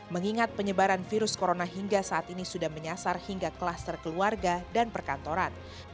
mengingat penyebaran virus corona hingga saat ini sudah menyasar hingga klaster keluarga dan perkantoran